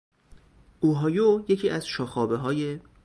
اوهایو یکی از شاخابههای